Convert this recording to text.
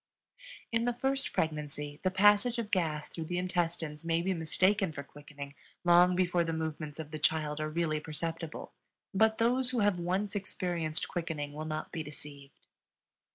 In the first pregnancy the passage of gas through the intestines may be mistaken for quickening long before the movements of the child are really perceptible; but those who have once experienced quickening will not be deceived.